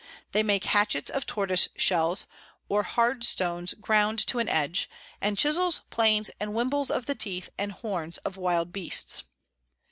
They make Hatchets of Tortoise shells, or hard Stones ground to an Edg; and Chizzels, Planes, and Wimbles of the Teeth and Horns of wild Beasts.